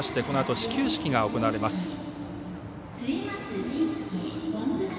このあと始球式が行われます。